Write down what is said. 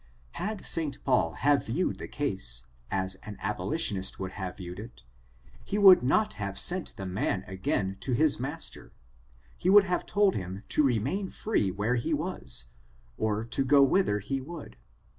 Had St Paul have viewed the case, as an abolitionist would have view ed it, he would not have sent the man again to his master, he would have told him to remain free where he was, or to go whither he would.